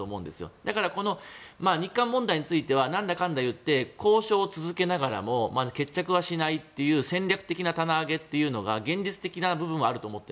だからこの日韓問題についてはなんだかんだ言って交渉を続けながらも決着はしないという戦略的棚上げというのは現実的な部分はあると思って。